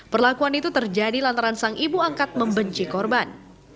perlakuan itu terjadi lantaran sang ibu angkat membenci korban